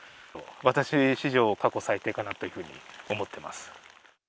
私史上過去最低かなというふうに思ってます。